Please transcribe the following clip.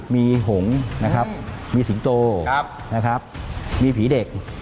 มีหงษ์มีสีงโต้มีผีเด็ก